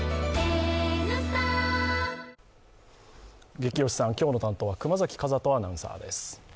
ゲキ推しさん、今日の担当は熊崎風斗アナウンサーです。